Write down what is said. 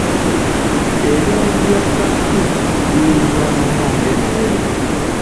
Ebinazi bya cashew biriibwa nnyo ng'emmere.